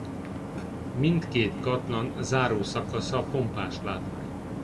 Mindkét katlan záró szakasza pompás látvány.